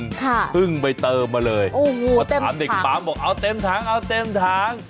นึ่งไปเติมมาเลยว่าถามเด็กบ๊าบบอกเอาเต็มทางเอาเต็มทาง